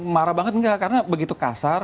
marah banget enggak karena begitu kasar